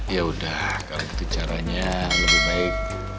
ya udah kalau gitu caranya lebih baik